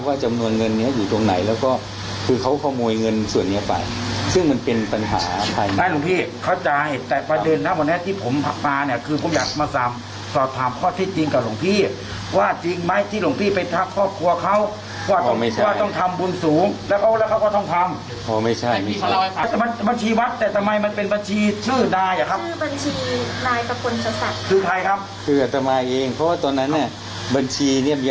ว่าไม่ใช่ไม่ใช่